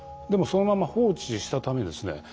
でもそのまま放置したためですね